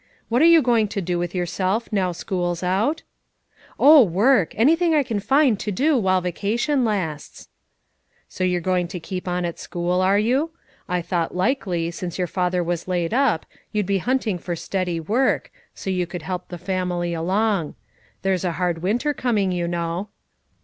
What are you going to do with yourself, now school's out?" "Oh, work; anything I can find to do while vacation lasts." "So you're going to keep on at school, are you? I thought likely, since your father was laid up, you'd he hunting for steady work, so you could help the family along. There's a hard winter coming, you know."